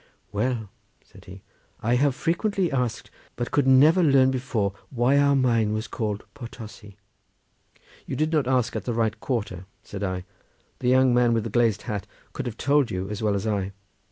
"Well," said he, "I have frequently asked, but could never learn before, why our mine was called Potosi." "You did not ask at the right quarter," said I; "the young man with the glazed hat could have told you as well as I."